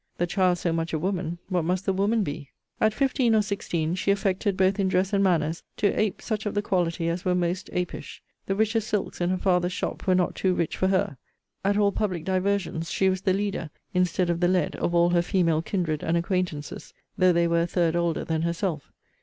The CHILD so much a woman, what must the WOMAN be? At fifteen or sixteen, she affected, both in dress and manners, to ape such of the quality as were most apish. The richest silks in her father's shop were not too rich for her. At all public diversions, she was the leader, instead of the led, of all her female kindred and acquaintances, though they were a third older than herself.